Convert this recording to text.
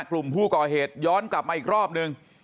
กลุ่มผู้ก่อเหตุย้อนกลับมาอีกรอบนึง